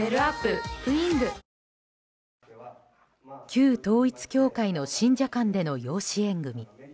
旧統一教会の信者間での養子縁組。